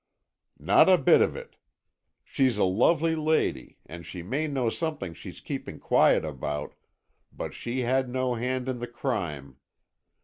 "Not a bit of it. She's a lovely lady, and she may know something she's keeping quiet about, but she had no hand in the crime.